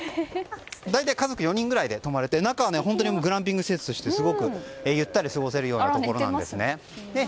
大体、家族４人ぐらいで泊まれて中はグランピング施設としてすごくゆったり過ごせるようなところなんですね。